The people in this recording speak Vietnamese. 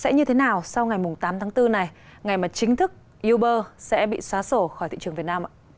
sẽ như thế nào sau ngày tám tháng bốn này ngày mà chính thức uber sẽ bị xóa sổ khỏi thị trường việt nam ạ